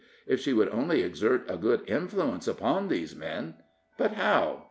If she could only exert a good influence upon these men but how?